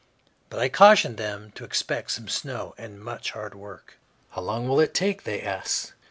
But I cautioned them to expect some snow and much hard work. "How long will it take?" they asked.